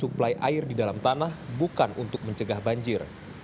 menurut irwan permainan air di dalam tanah bukan untuk mencegah banjir